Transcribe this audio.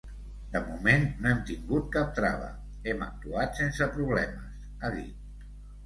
De moment no hem tingut cap trava, hem actuat sense problemes, ha dit.